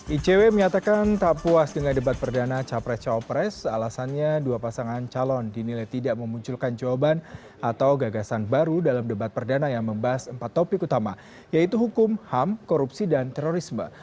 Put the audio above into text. icw menyatakan tak puas dengan debat perdana capres cawapresnya dua pasangan calon dinilai tidak memunculkan jawaban atau gagasan baru dalam debat perdana yang membahas empat topik utama yaitu hukum ham korupsi dan terorisme